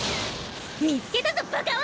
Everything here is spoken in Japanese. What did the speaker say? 見つけたぞバカ女！